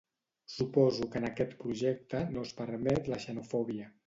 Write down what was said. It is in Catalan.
Suposo que en aquest projecte no es permet la xenofòbia